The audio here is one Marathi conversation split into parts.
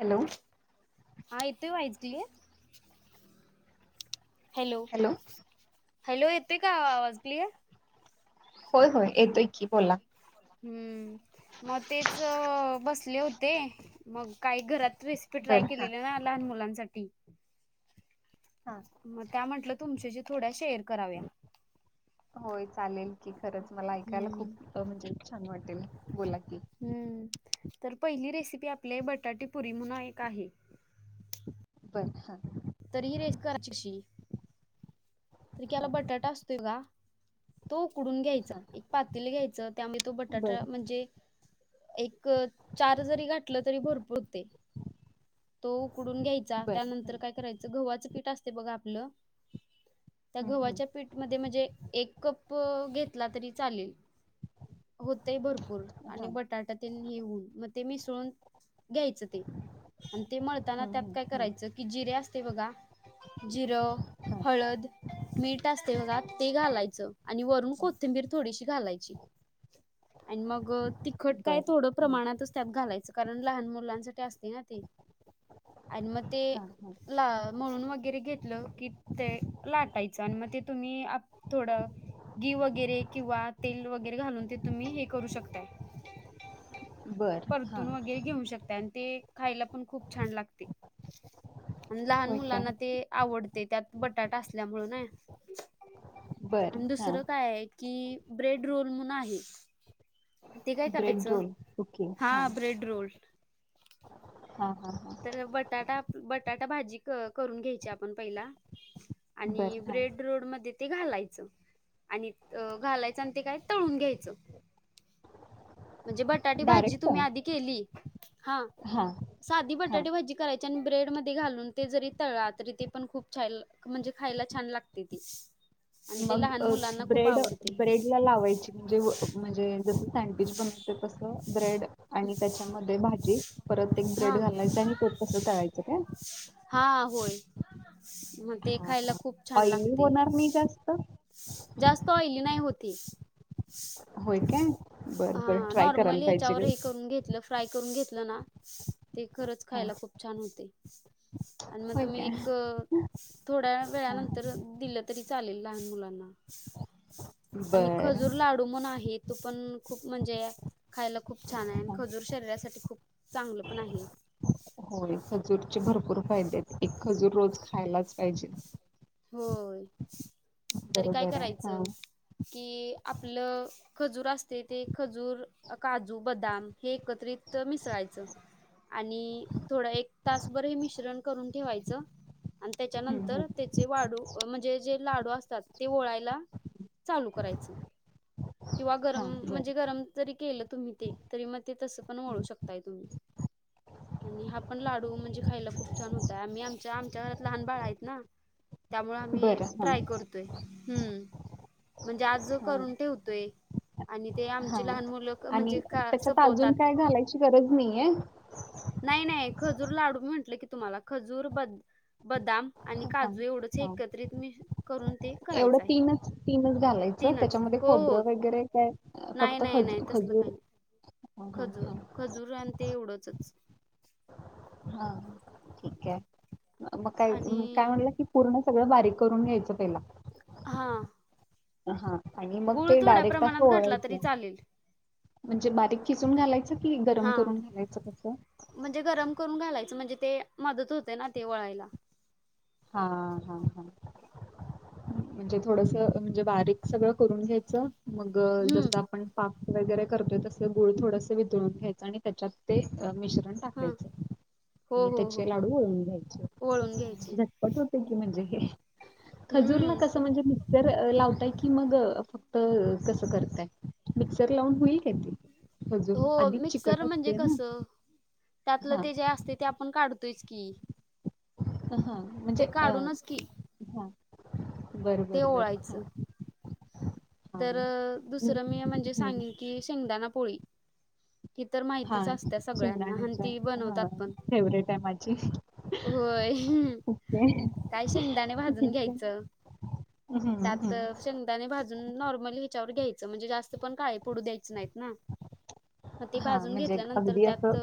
हॅलो हा येतोय व्हाईस क्लियर हॅलो हॅलो येते का आवाज क्लियर होय होय येतोय की बोला हम्म मग तेच बसले होते. ते मग काही घरात रेसिपी ट्राय बरं हा केलेली ना लहान मुलांसाठी.. हा मग त्या म्हटलं तुमच्या ज थोड्या शेअर करावे. होय चालेल की खरंच मला ऐकायला हम्म. खूप म्हणजे छान वाटेल बोलाय हम्म तर पहिली रेसिपी आपले बटाटेपुरी म्हणून एक आहे. बर हा तरीरसका शशी [unintelligible] तर कीला हा बटाटा असतोय का. तो उकडून घ्यायचा हा एक पातील घ्यायच त्यामुळे तो बटाटा बर म्हणजे. एक चार जरी घाठलं तरी भरपूर ते. तो उकडून घ्यायचा बर हा त्यानंतर काय करायचं गव्हाचं पीठ असते बघा आपलं त्या हा गव्हाच्या पीठमध्येध्ये म्हणजे एक कप घेतला तरी चालेल होतय भरपूर. र आणि बटाटा तेेऊन मग ते मिसळून घ्यायच ते. ते मळताना त्यात काय हा करायचं की जिरे असते बघा जिरं हळद मीठ असते बघा ते घालायचं आणि वरून कोथिंबीर थोडीशी थोडी घालायची आणि तिखट काय बर थोडं हा प्रमाणातच घालायचं कारण लहान मुलांसाठी असते ना ती.. आणि मग ते हा हा ला म्हणून वगैरे घेतलं की ते लाटायचं आणि मग ते तुम्ही थोडं. घी वगैरे किंवा तेल वगैरे घालून ते तुम्ही हे करू शकताय. बर हा परतून वगैरे घेऊ शकताय ते खायला पण खूप छान लागते आणि लहान होय काय मुलांना ते आवड ते त्यात बटाटा असल्यामुळे ना बर आणि हा दुसरं काय आहे कि ब्रेड रोल म्हणु आहे ते काय ब्रेड करायचं रोल ओके हा ब्रेड रोल. हा हा हा तर बटाटा बटाटा भाजी करून घ्यायची आपण पहिला बर आणि हा ब्रेड रोड मध्ये ते घालायचं आणि घालायचं आणि ते काय तळून घ्यायचं. म्हणजे बटाटी भाजी डायरेक्ट तुम्ही आधी केली हा साधी बट हा बटाटे भाजी करायची आणि ब्रेड मध्ये घालून ते जरी तळां तरी ते पण खूप छान म्हणजे खायला छान लाग तेती मग ब्रेड ब्रेड ला लावायची म्हणजे म्हणजे सँडविच बनवते तस ब्रेड आणि त्याच्यामध्ये भाजी परत एक ब्रेड हा घालायचा आणि त तसं तळायचं काय? ह म ते खायला खू ऑईली होणार नाही जास्त. जास्त ऑईली नाही होतं हे. होय काय. बरं, बरं हा ट्राय करायला नॉर्मली पाहिजे ह्याच्यावर गं. हे करून घेतलं. फ्राय करून घेतलं ना ते खरंच हां, खायला खूप छान होतंय. आणि मग होय तुम्ही काय? एक. थोड्या हां, हां. वेळानंतर दिलं तरी चालेल लहान मुलांना. आणि बरं. खजूर लाडू म्हणू आहे, तो पण. खूप म्हणजे खायला खूप छान आहे, आणि हां. खजूर शरीरासाठी खूप चांगलं पण आहे. होय खजूरचे भरपूर फायदे आहेत, एक खजूर रोज खायलाच पाहिजे. होय तरी काय बरोबर आहे. करायचं. हां. की आपलं खजूर असते ते खजू, काजू, बदाम हे एकत्रित. त मिसळायचं आणि थोडं एक तासभर हे मिश्रण करून ठेवायचं. आणि हं, त्याच्यानंतर हं. ते. जे वाडू म्हणजे जे लाडू असतात ते ओळायला चालू करायच. किंवा गरम हां, बरं. म्हणजे गरम जरी केलं तुम्ही ते तरी मग ते तस पण वळू शकताय तुम्ही. आणि हा पण लाडू म्हणजे खायला खूप छान होताय आम्ही आमच्या आमच्या घरात लहान बाळ आहेत ना. त्यामुळे आम्ही बरं, हां. ट्राय करतोय. हम्म म्हणजे आज हां. करून ठेवतोय आणि ते हा आमचे. आणि त्याच्यात अजून काय घालायची गरज नाहीयं. नाही नाही खजूर लाडू मी म्हंटलं की तुम्हाला खजूर बद् बदाम आणि हा काजू एवढंच हा एकत्रित मि एवढं तीनच तीनच घालायचं तीनच त्याच्यामध्ये हो हो खोबरं वगैरे काय? नाही फक्त नाही नाही खजू तसलं खजूर. काही नाही हा हा खजूर हा खजूर आणि ते एवढंचच. हा ठीक आहे मग काय काय आणि म्हणला की, पूर्ण सगळं बारीक करून घ्यायचं पहिला. हां, हा आणि मग गूळ ते थोड्या डायरेक्ट असं प्रमाणात घातला ओळायच तरी चालेल. म्हणजे बारीक कि खिसुन घालायच की गरम हां, करून घालायचं तसं. म्हणजे गरम करून घालायचं म्हणजे ते मदत होते, ना ते वळायला. हा हा हा. म्हणजे थोडस म्हणजे बारीक सगळं करून घ्यायचं मग हं, जसं आपण पाक. वगैरे करतोय तसं गुळ थोडसं वितळून घ्यायचं आणि त्याच्यात ते मिश्र ण हां. टाकायच हो, आणि हो, त्याचे हो. लाडू वळून घ्यायचे. वळून घ्यायचे. झटपट होते की म्हणजे हे, खजूरला हं, कसं खूप म्हणजे मिक्सर लावताय की मग फ क्त कसं करताय मिक्सर लावून होईल? अजून हो, आधीच चिकट मिक्सर म्हणजे असते ना. कसं त्यातलं हा ते जे असते ते आपण काढतोयच की. अ हा म्हणजे ते अ. काढूनच की बर ते बर बर हा. ओळायचं. हा तर दुसरं मी म्हणजे हम्म सांगन की, शेंगदाणा पोळी. ही तर हा माहितच असत्या सगळ्यांना आणि शिंगदाण्याच ती हा बनवतात पण. फेवरेट आहे माझी. होय. ओके. काय शेंगदाणे भाजून ठीक आहे. घ्यायचं हं, त्यात हं. शेंगदाणे भाज नॉर्मली याच्यावर घ्यायचं म्हणजे जास्त पण काळे पडू द्यायचं नाहीत ना हाद ह म्हणजे अगदी असं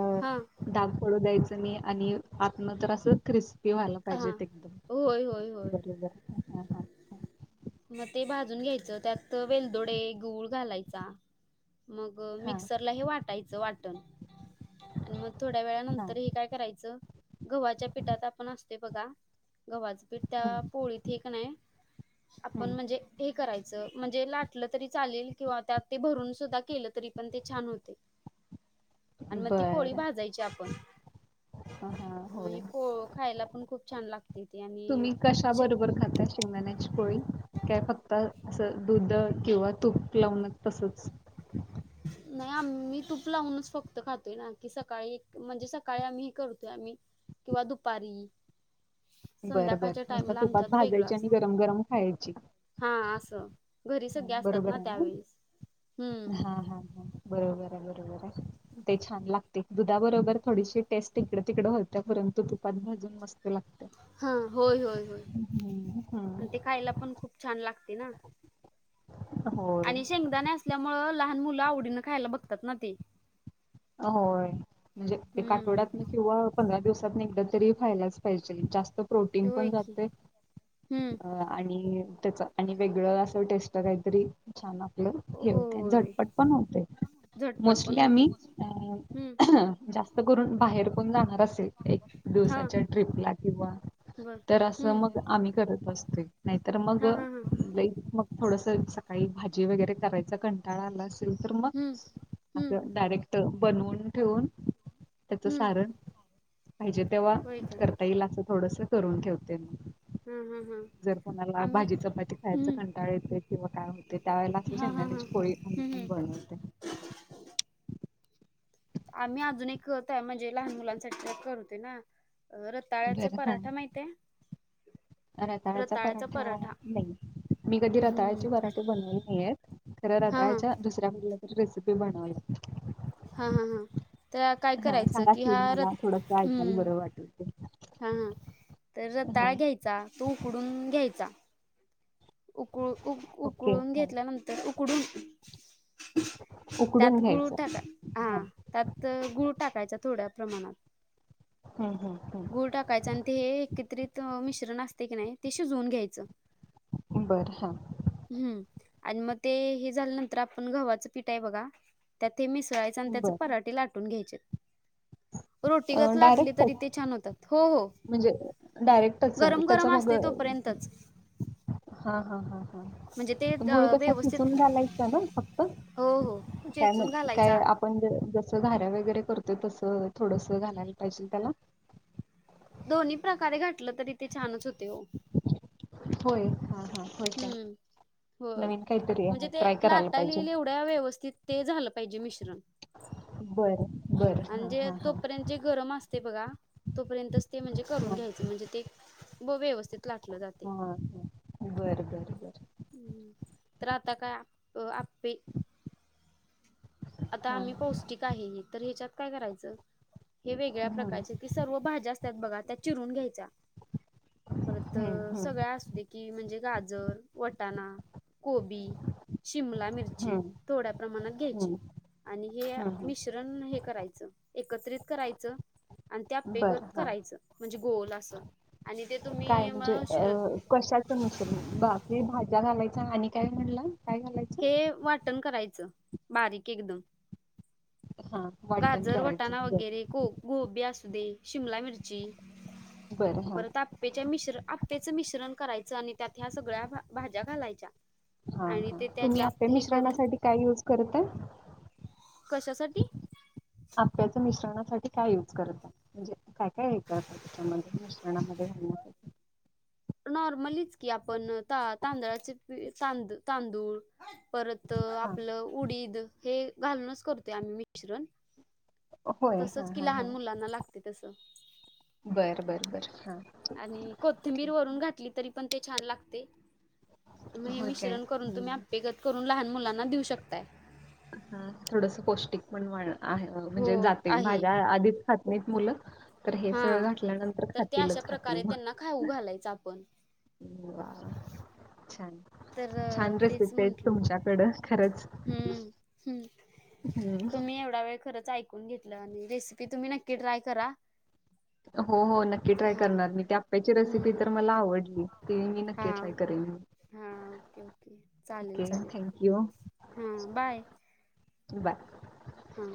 अ हा दाब पडू द्यायचं मी आणि. आन तर असं क्रिस्पी व्हाला हा पाहिजेत एकदम होय होय होय. बरोबर हा हा. मग ते भाजून घ्यायचं त्यात वेलदोडे गुळ घालायचा. मग हां, मिक्सरलाही वाटायचं वाटण. आणि मग थोड्या वेळा हां, नंतर हे काय करायचं, गव्हाच्या पिठात आपण असतंय बघा. गव्हाचं पीठ हं, त्या पोळीत ही की नाही. आपण हं. म्हणजे हे करायचं म्हणजे लाटलं तरी चालेल किंवा त्यात ते भरून सुद्धा केलं तरी पण ते छान होते, आणि मग ती पोळी बरं. भाजायची आपण. हां, हां, होय. म्हणजे पो खायला पण खूप छान लागत तुम्ही कशा बरोबर खाता शेंगदाण्याची पोळी? काय फक्त असं दुध किंवा तूप लावून तसंच. नाही आम्ही तूप लावूनच फक्त खातोय ना की सकाळी एक म्हणजे सकाळी आम्ही हे करतोय आम्ही किंवा दुपारी बरं, बरं. संध्याकाळच्या नुसतं टाईमला तुपात आमच्यात वेगळं भाजायची आणि असत गरम गरम खायची. हा अस घरी हा, सगळे असतात बरोबर ना आहे त्यावेळेस, हम्म हा हा हा बरोबर आहे बरोबर आहे. ते छान लागते, दुधाबरोबर थोडीशी टेस्ट इकडे तिकडे होत्या परंतु तुपात भाजून मस्त लागते. हा होय होय होय, हम्म आणि ते खायला पण खूप छान लागते ना. होय. आणि शेंगदाणे असल्या मुळं, लहान मुलं आवडीनं खायला बघतात ना ते. होय. म्हणजे एक हम्म आठवड्यातन किंवा पंधरा दिवसातन एकदा तरी खायलाच पाहिजेल जास्त प्रोटीन ते होय पण की जातंय हम्म आणि त्याचं आणि वेगळं असं टेस्ट काहीतरी छान हे होते, होय झटपट पण होते. झटपट मोस्टली पण आम्ही होते हम्म अ जास करून बाहेर कोण जाणार असेल, एक हा दिवसाच्या ट्रीपला किंवा बर तर असं हम्म मग आम्ही करत असतो नाहीतर मग हा हा हा अ थोडसं सकाळी भाजी वगैरे करायचा कंटाळा आला असेल तर मग, हम्म हम्म आता डायरेक्ट बनवून ठेवून त्याचं हम्म सारण पाहिजे तेव्हा होय का करता येईल असं थोडसं करून ठेवते मग हा हा हा जर कोणाला आम्ही भाजी चपाती खायचा हम्म कंटाळ येतोय किंवा काय हो ते त्यावेेळेला असं हा हा हा शेंगदाण्याची पोळी पण मी हम्म पण हम्म बनवते. आम्ही अजून एक त्या म्हणजे लहान मुलांसाठी करतोय ना, रताळ्याचे बर पराठा हा माहित आहे? रताळ्याचा पराठा नाही? मी कधी रताळ्याचे हम्म पराठे बनवले नाहीयेत, खरं हा हा रताळयाचा दुसऱ्या मु रेसिपी बनवली हा हा हा तर काय करायचं कि की हा मला थोडस रत् ऐकायला हम बरं वाटेल ते. ह तर हा रताळं घ्यायचा, तो उकडून घ्यायचा. उकळू उक ओके उकळून हा घेतल्यानंतर उकडून. उकडून त्यात गुळू घ्यायचं टाका हा त्यात तर गुळ टाकायचा थोड्या प्रमाणात. हम्म हम् गूळ टाकायचा आणि ते हे एकत्रित मिश्रण असते की नाही ते शिजवून घ्यायचं. बरं हां हं. आणि मग ते हे झाल्यानंतर आपण गव्हाचं पीठ आहे बघा त्यात हे मिस ळायच आणि त्याचे बर पराठे लाटून घ्यायचे. रोटीगत लाटली तरी डायरेक्टच ते छान होतात हो हो. म्हणजे डायरेक्टच गरम त्याचा गरम मग असते तोपर्यंतच. हा हा हा म्हणजे ते हा गुळ अ, कसा व्यवस्थित खिसुन घालायचा ना फक्त? हो हो काय म्हण चेचून काय घालायचा. आपण जस जस घार्या वगैरे करत तसं थोडसं घालायला पाहिजे त्याला. दोन्ही प्रकारे घातलं तरी ते छानच होते ओ. होय हा. हा होय काय हम्म होय, नवीन काहीतरी म्हणजे आहे ते ट्राय करायला लाटायला पाहिजे येईल एवढ्या व्यवस्थित ते झालं पाहिजे मिश्रण बरं बरं हा आणिजे हा हा तोपर्यंत जे गरम अस ते बघा तोपर्यंतच ते म्हणजे करून हा घ्यायच म्हणजे ते व्यवस्थित लाटलं जातय. रिकामा ऑडिओ हा बरं बरं बरं हम् तर आता काय आपे... आता हा आम्ही पौष्टिक आहे तर ह्याच्यात काय करायचं? हे वेगळ्या हं, प्रकारचे की सर्व भाज्या असतात बघा त्यात चिरून घ्यायच्या. परत हं, हं, सगळ्या असू दे की म्हणजे गाजर वटाणा.. कोबी शिमला मिरची हं, थोड्या प्रमाणात घ्यायची. हं, आणि हे हं, हं. मिश्रण हे करायचं एकत्रित करायचं.. आणि ते अप्पेग बरं त हां. करायचं म्हणजे गोल असं आणि ते काय तुम्ही म्हणजे मग अ कशाचं मिश्रण बाकी भाज्या घालायच आणि काय म्हणलं? हे वाटण करायचं बारीक एकदम. हां, वाटण गाजर करायचं. वटाणा बरं, वगैरे गोबी असू दे. शिमला मिरची. बरं हा. जे मिश्रण करायच आपेच मिश्रण करायचं आणि त्यात ह्या सगळ्या भाज्या घालायच्या. हां, आणि हां. ते तुम्ही अप्पे त्याच्यात हे करून मिश्रणासाठी काय यूज करताय? कशासाठी? आप्पे चं मिश्रणात साठी काय यूज करत म्हणजे काय काय हे करत त्याच्यामध्ये मिश्रणामध्ये घालण्यासाठी. नॉर्मलीच की आपण तांदळाचे तांद तांदूळ परत... हां. आपलं उडीद हे घालूनच करतो आम्ही मिश्रण. होय. तसच हां, कि हां, लहान हां. मुलांना लागते तस. बरं बरं बर हा. आणि कोथिंबीर वरून घातली तरी पण ते छान लागते. मग हे होय काय? मिश्रण करून हं. तुम्ही आपेगत करून लहान मुलांना देऊ शकताय. थोडस पौष्टिक पण आहे हो म्हणजे जाते आहे भाज्या आधी खात नाहीत मुलं तर हे हा सगळं घातल्यानंतर तर खातीलच खातील मग.. पन. वा छान छान रेसिपी आहेत तुमच्याकडं खरंच! हम्म हम्म हम्म तुम्ही एवढा वेळ खरच ऐकून घेतलं आणि रेसिपी तुम्ही नक्की ट्राय करा. हो हो नक्की ट्राय हा करणार मी ते आप्याची रेसिपी हम्म तर मला आवडली. ते मी हा नक्की ट्राय करेन. हा ओके ओके चालेल ओके चालेल थँक्यू हा बाय बाय हा.